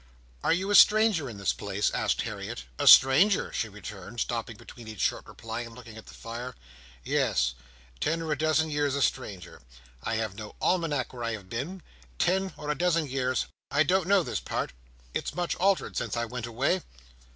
"Are you a stranger in this place?" asked Harriet. "A stranger!" she returned, stopping between each short reply, and looking at the fire. "Yes. Ten or a dozen years a stranger. I have had no almanack where I have been. Ten or a dozen years. I don't know this part. It's much altered since I went away."